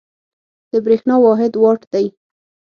د برېښنا واحد وات دی.